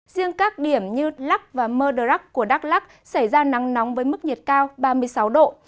riêng các điểm như lắc và mơ đờ rắc của đắk lắc xảy ra nắng nóng với mức nhiệt cao ba mươi sáu độ